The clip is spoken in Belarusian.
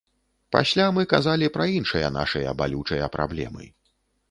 Пасля мы казалі пра іншыя нашыя балючыя праблемы.